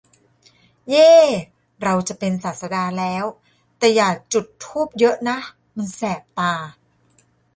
เย้ ! เราจะเป็นศาสดาแล้ว ! แต่อย่าจุดธูปเยอะนะ มันแสบตา